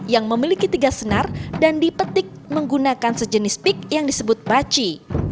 yang memiliki tiga senar dan dipetik menggunakan sejenis pik yang disebut baci